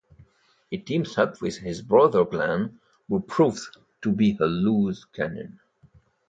He teams up with his brother Glenn, who proves to be a loose cannon.